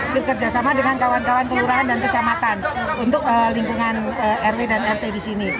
di kerjasama dengan kawan kawan keurangan dan kecamatan untuk lingkungan rri dan rt di sini